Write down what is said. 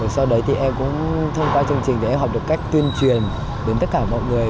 sau đấy em cũng thông qua chương trình em học được cách tuyên truyền đến tất cả mọi người